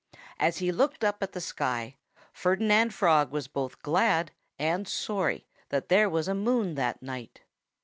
As he looked up at the sky Ferdinand Frog was both glad and sorry that there was a moon that night.